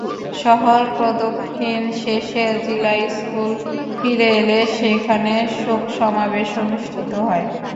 শহর প্রদক্ষিণ শেষে জিলা স্কুলে ফিরে এলে সেখানে শোক সমাবেশ অনুষ্ঠিত হয়।